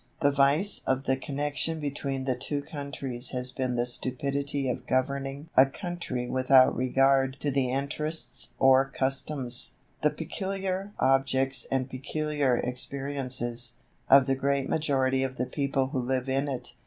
The vice of the connection between the two countries has been the stupidity of governing a country without regard to the interests or customs, the peculiar objects and peculiar experiences, of the great majority of the people who live in it.